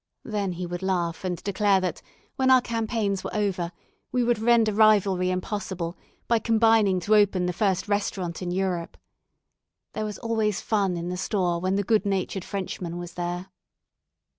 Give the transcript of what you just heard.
Then he would laugh and declare that, when our campaigns were over, we would render rivalry impossible, by combining to open the first restaurant in Europe. There was always fun in the store when the good natured Frenchman was there.